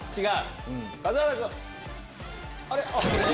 あれ？